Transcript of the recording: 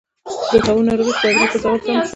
د طاعون ناروغۍ خپرېدل په زوال تمام شو.